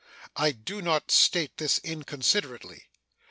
I do not state this inconsiderately.